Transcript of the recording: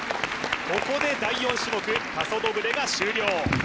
ここで第４種目パソドブレが終了